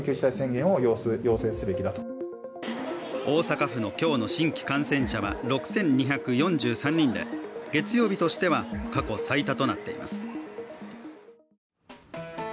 大阪府の今日の新規感染者は６２４３人で月曜日としては過去最多となっています。